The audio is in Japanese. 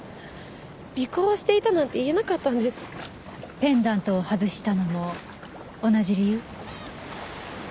ペンダントを外したのも同じ理由？